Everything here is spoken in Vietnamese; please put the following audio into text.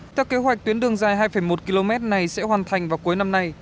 theo kế hoạch tuyến đường dài hai một km này sẽ hoàn thành vào cuối năm nay